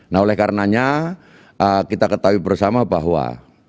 nah oleh karenanya kita ketahui bersama bahwa